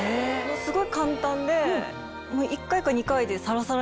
すごい簡単で。